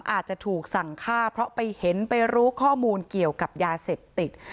อาจจะถูกสั่งฆ่าเพราะไปเห็นไปรู้ข้อมูลเกี่ยวกับยาเสพติด